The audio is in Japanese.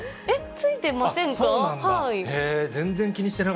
ついてませんか？